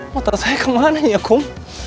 motor saya kemana ya kum